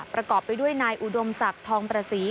ประกอบไปด้วยนายอุดมศักดิ์ทองประศรี